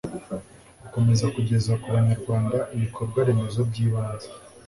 gukomeza kugeza ku banyarwanda ibikorwa remezo by'ibanze